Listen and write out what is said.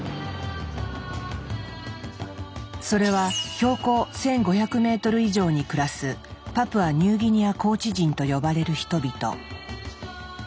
それは標高１，５００メートル以上に暮らす「パプアニューギニア高地人」と呼ばれる人々。